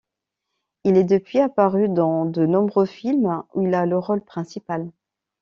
Il est depuis apparu dans de nombreux films où il a le rôle principal.